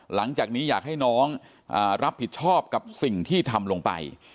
หลังจากนี้อยากให้น้องรับผิดชอบกับสิ่งที่ทำลงไป